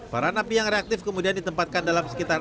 para napi yang reaktif kemudian ditempatkan dalam sekitar